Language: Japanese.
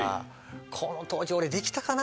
この当時俺できたかな？